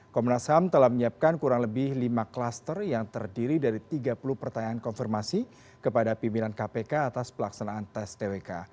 komnas ham telah menyiapkan kurang lebih lima klaster yang terdiri dari tiga puluh pertanyaan konfirmasi kepada pimpinan kpk atas pelaksanaan tes twk